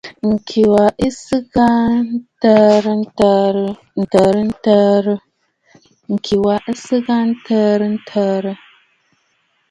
Ŋ̀kì wa ɨ t;sɨɨkə aa tsɨ̀ɨ̀ŋkə̀ tɛʼɛ̀ tɛ̀ʼɛ̀.